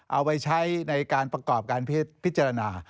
เอาไปใช้ในการประกอบการพิจารณา